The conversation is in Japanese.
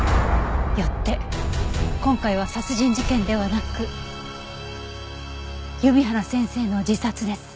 よって今回は殺人事件ではなく弓原先生の自殺です。